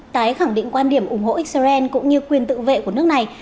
tái khẳng định quan điểm ủng hộ israel cũng như quyền tự vệ của nước này